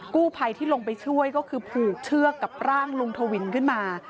กู้ภัยที่ลงไปช่วยก็คือผูกเชือกกับร่างลุงทวินขึ้นมา